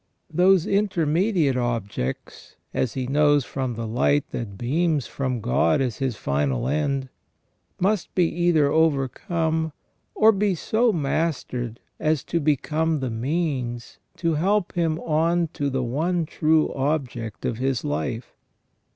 Those intermediate objects, as he knows from the light that beams from God as his final end, must be either overcome or be so mastered as to become the means to help him on to the one true object of his life.